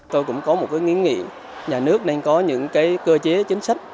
tôi cũng có một cái nghĩa nghĩa nhà nước nên có những cơ chế chính sách